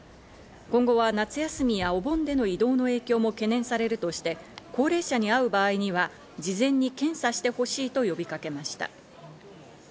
今後は夏休みやお盆での移動の影響も懸念されるとして、高齢者に会う場合には事前に検査してほしいと呼びかけました。